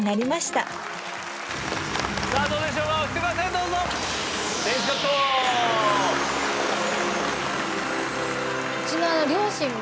うちの両親も。